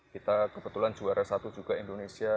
kita kebetulan juara satu juga indonesia